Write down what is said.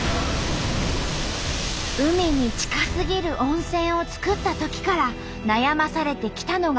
海に近すぎる温泉を作ったときから悩まされてきたのが台風。